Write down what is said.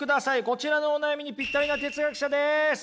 こちらのお悩みにピッタリな哲学者です。